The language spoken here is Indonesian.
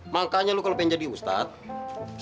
makanya lu kalau pengen jadi ustadz